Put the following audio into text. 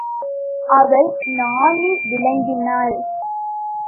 அவள் நாணி விலகினள்.